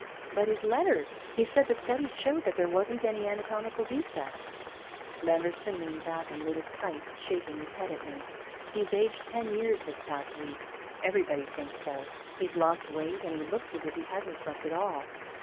"But his letter! He said the studies showed that there wasn't any anatomical defect." Lambertson leaned back and lit his pipe, shaking his head at me. He's aged ten years this past week. Everybody thinks so. He's lost weight, and he looks as if he hasn't slept at all.